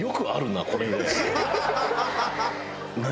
何？